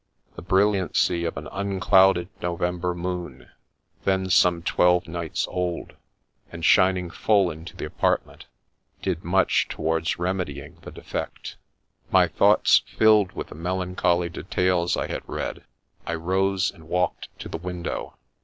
The brilliancy of an unclouded November moon, then some twelve nights old, and shining full into the apartment, did much towards remedying the defect. My thoughts filled with the melancholy details I had read, I rose and walked to the window.